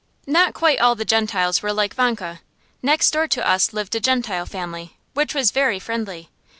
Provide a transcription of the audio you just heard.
Not quite all the Gentiles were like Vanka. Next door to us lived a Gentile family which was very friendly.